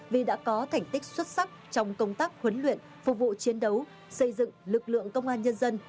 vì đã có thành tích xuất sắc trong công tác huấn luyện phục vụ chiến đấu xây dựng lực lượng công an nhân dân